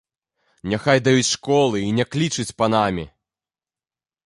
Няхай даюць школы і не клічуць панамі!